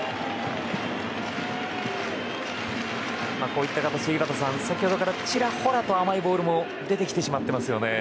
こういった形で井端さん先ほどからちらほらと甘いボールも出てきてしまっていますね。